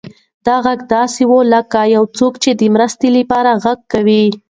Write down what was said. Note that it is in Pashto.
دا غږ داسې و لکه یو څوک چې د مرستې لپاره غږ کوي.